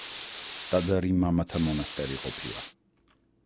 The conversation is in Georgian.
ტაძარი მამათა მონასტერი ყოფილა.